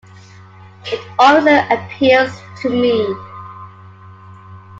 It always appeals to me.